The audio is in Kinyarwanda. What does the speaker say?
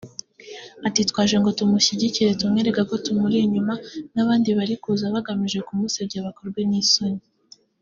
Ati “twaje ngo tumushyigikire tumwereke ko tumuri inyuma […] n’ abandi bari kuza bagamije kumusebya bakorwe n’isoni”